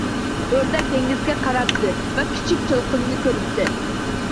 O‘rdak dengizga qarabdi va Kichik to‘lqinni ko‘ribdi